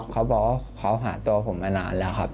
เขาบอกว่าเขาหาตัวผมมานานแล้วครับ